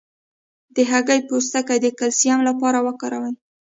د هګۍ پوستکی د کلسیم لپاره وکاروئ